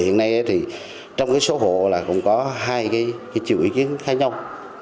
hiện nay thì trong cái số hộ là cũng có hai cái triệu ý kiến khác nhau